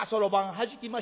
はじきましてね